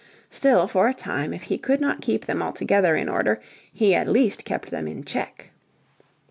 Still, for a time, if he could not keep them altogether in order he at least kept them in check.